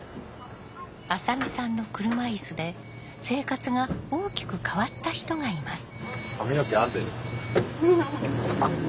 浅見さんの車いすで生活が大きく変わった人がいます。